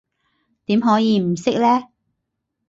點可以唔識呢？